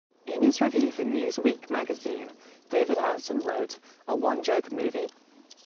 In his review for "Newsweek" magazine, David Ansen wrote, "A one joke movie?